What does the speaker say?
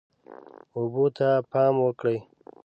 اوبه ته پام وکړئ.